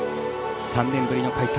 ３年ぶりの開催。